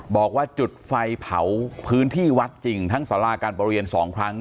บอกว่าจุดไฟเผาพื้นที่วัดจริงทั้งสาราการประเรียน๒ครั้ง